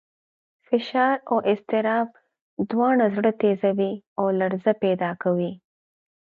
فشار او اضطراب دواړه زړه تېزوي او لړزه پیدا کوي.